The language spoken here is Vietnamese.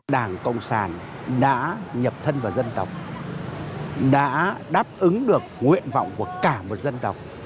đảng cộng sản đã nhập thân vào dân tộc đã đáp ứng được nguyện vọng của cả một dân tộc